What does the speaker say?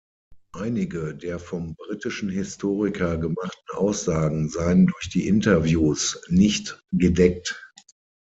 Einige der vom britischen Historiker gemachten Aussagen seien durch die Interviews nicht gedeckt.